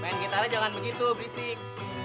main gitarnya jangan begitu berisik